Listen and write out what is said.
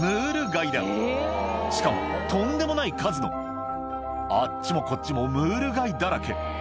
しかもとんでもない数のあっちもこっちもムール貝だらけ